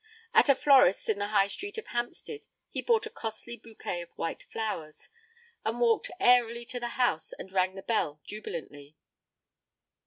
At a florist's in the High Street of Hampstead he bought a costly bouquet of white flowers, and walked airily to the house and rang the bell jubilantly.